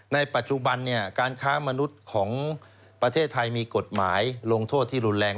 ในปัจจุบันการค้ามนุษย์ของประเทศไทยมีกฎหมายลงโทษที่รุนแรง